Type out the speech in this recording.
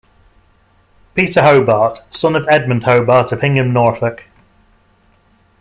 Peter Hobart, son of Edmund Hobart of Hingham, Norfolk.